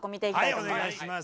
お願いします。